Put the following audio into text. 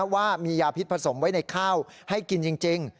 ว่ามียาพิษผสมไว้ในข้าวให้กินจริง